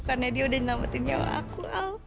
karena dia sudah menyelamatkan nyawa aku